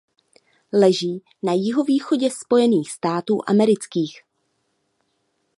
Leží na jihovýchodě Spojených států amerických.